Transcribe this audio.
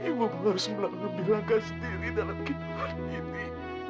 ibuku harus melakukan langkah sendiri dalam kehidupan ini